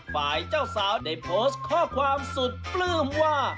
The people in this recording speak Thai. ฝ่ายเจ้าสาวได้โพสต์ข้อความสุดปลื้มว่า